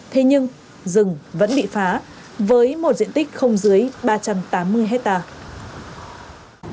thế nhưng rừng vẫn bị phá với một diện tích không dưới ba trăm tám mươi hectare